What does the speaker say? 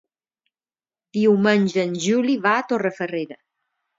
Diumenge en Juli va a Torrefarrera.